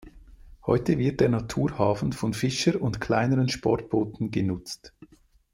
Heute wird der Naturhafen von Fischer- und kleineren Sportbooten genutzt.